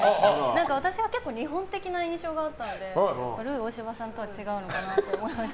私は結構日本的な印象があったのでルー大柴さんとは違うのかなと思いました。